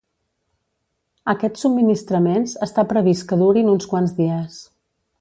Aquests subministraments està previst que durin uns quants dies.